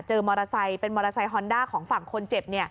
มอเตอร์ไซค์เป็นมอเตอร์ไซค์ฮอนด้าของฝั่งคนเจ็บ